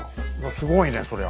すごいねそりゃ。